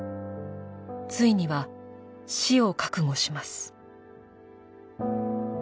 ついには死を覚悟します。